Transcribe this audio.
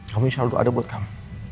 kamu insya allah ada buat kamu